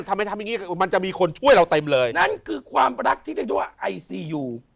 ทำไปทำอย่างงี้มันจะมีคนช่วยเราเต็มเลยนั่นคือความรักที่เรียกได้ว่าไอซียู